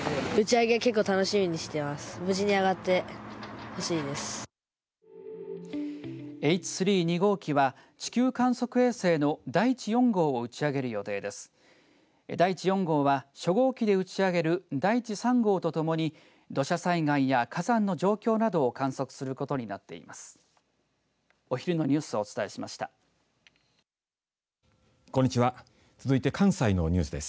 だいち４号は初号機で打ち上げるだいち３号と共に土砂災害や火山の状況などを観測することになっています。